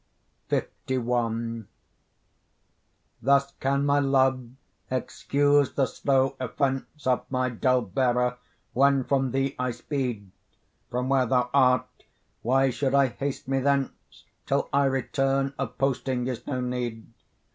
LI Thus can my love excuse the slow offence Of my dull bearer when from thee I speed: From where thou art why should I haste me thence? Till I return, of posting is no need.